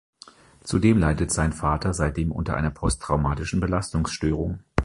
Zudem leidet sein Vater seitdem unter einer Posttraumatischen Belastungsstörung.